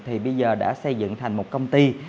thì bây giờ đã xây dựng thành một công ty